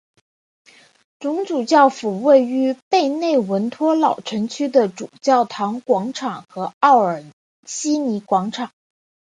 总主教府位于贝内文托老城区的主教座堂广场和奥尔西尼广场。